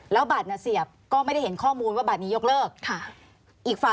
แล้วบัตรเสียบก็ไม่ได้เห็นข้อมูลว่าบัตรนี้ยกเลิกอีกฝั่ง